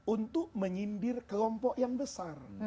untuk menyindir kelompok yang besar